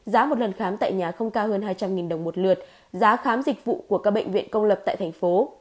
giá một lần khám tại nhà không cao hơn hai trăm linh đồng một lượt giá khám dịch vụ của các bệnh viện công lập tại thành phố